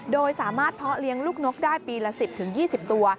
โดยสามารถเพาะเลี้ยงลูกนกได้ปีละ๑๐๒๐ตัว